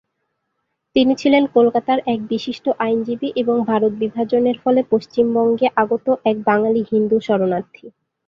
তিনি ছিলেন কলকাতার এক বিশিষ্ট আইনজীবী এবং ভারত বিভাজনের ফলে পশ্চিমবঙ্গে আগত এক বাঙালি হিন্দু শরণার্থী।